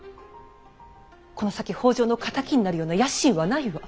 この先北条の敵になるような野心はないわ。